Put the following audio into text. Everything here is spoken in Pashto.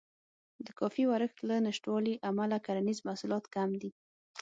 د کافي ورښت له نشتوالي امله کرنیز محصولات کم دي.